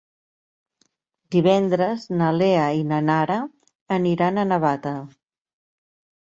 Divendres na Lea i na Nara aniran a Navata.